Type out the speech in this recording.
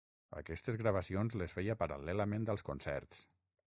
Aquestes gravacions les feia paral·lelament als concerts.